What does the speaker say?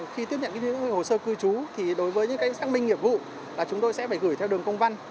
khi tiếp nhận hồ sơ cư trú thì đối với những cái xác minh nghiệp vụ là chúng tôi sẽ phải gửi theo đường công văn